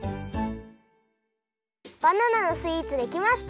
バナナのスイーツできました！